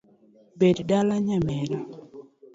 Bed dala nyamera